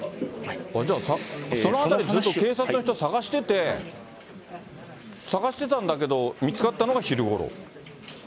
じゃあ、そのあたりずっと警察の人たち捜してて、捜してたんだけど見つかったのが昼ごろ？